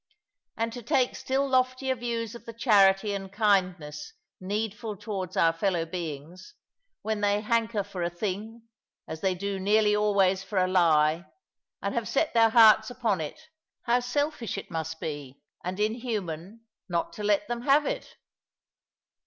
And to take still loftier views of the charity and kindness needful towards our fellow beings when they hanker for a thing, as they do nearly always for a lie, and have set their hearts upon it, how selfish it must be, and inhuman, not to let them have it!